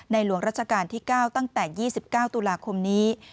หลวงราชการที่๙ตั้งแต่๒๙ตุลาคมนี้